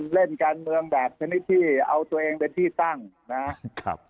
เล่นการเมืองแบบชนิดที่เอาตัวเองเป็นที่ตั้งนะครับ